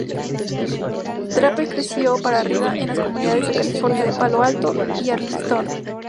Draper creció para arriba en las comunidades de California de Palo Alto y Arlington.